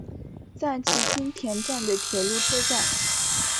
赞岐津田站的铁路车站。